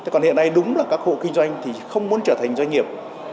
còn hiện nay đúng là các hộ kinh doanh thì không muốn trở thành doanh nghiệp